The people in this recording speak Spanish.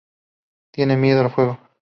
Tiene miedo al fuego.